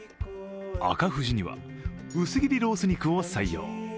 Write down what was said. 赤富士には薄切りロース肉を採用。